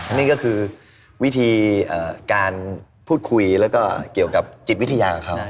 อันนี้ก็คือวิธีการพูดคุยแล้วก็เกี่ยวกับจิตวิทยาเขา